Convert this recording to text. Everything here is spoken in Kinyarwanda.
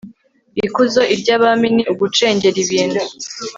ikuzo iry'abami ni ugucengera ibintu